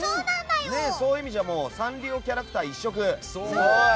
そういう意味じゃサンリオキャラクター一色。